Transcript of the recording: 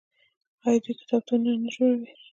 آیا دوی کتابتونونه نه جوړوي؟